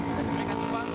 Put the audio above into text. dan mereka keluar